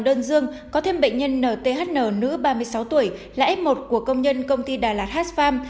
đơn dương có thêm bệnh nhân nthn nữ ba mươi sáu tuổi là f một của công nhân công ty đà lạt hasharm